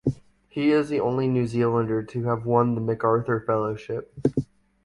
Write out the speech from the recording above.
He is the only New Zealander to have won the MacArthur Fellowship.